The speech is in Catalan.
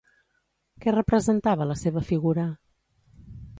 Què representava la seva figura?